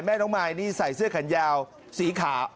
น้องมายนี่ใส่เสื้อแขนยาวสีขาว